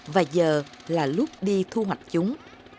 và giờ là lúc đi thu hoạch chúng